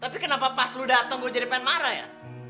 tapi kenapa pas lu datang gue jadi pengen marah ya